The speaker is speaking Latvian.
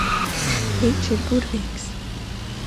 Viņš ir burvīgs.